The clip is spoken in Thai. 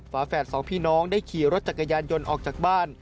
ฝาแฝดสองพี่น้องได้ขี่รถจักรยานยนต์ออกจากบ้าน